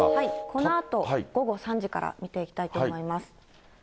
このあと午後３時から見ていきたいと思います。